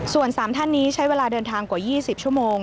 ส่วน๓ท่านนี้ใช้เวลาเดินทางกว่า๒๐ชั่วโมง